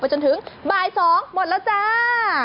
จนถึงบ่าย๒หมดแล้วจ้า